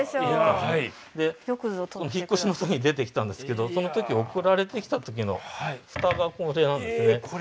お引っ越しの時に出てきたんですけどその時送られてきた時の蓋がこれなんですね。